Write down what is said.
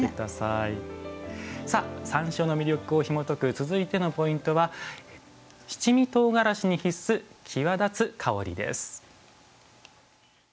山椒の魅力をひもとく続いてのポイントは「七味とうがらしに必須際立つ香り」です。